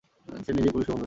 সে নিজেই পুলিশকে ফোন করেছে।